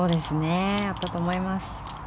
あったと思います。